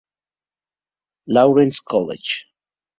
Lawrence College.